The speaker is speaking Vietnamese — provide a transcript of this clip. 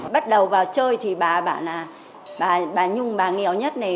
bắt đầu vào chơi thì bà nhung bà nghèo nhất này